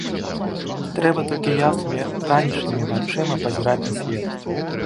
Трэба толькі яснымі ранішнімі вачыма пазіраць на свет.